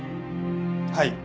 はい。